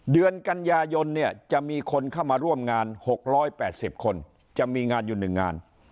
เดือนกันยายนเนี่ยจะมีคนเข้ามาร่วมงาน๖๘๐คนจะมีงานอยู่๑งาน